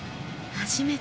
初めて！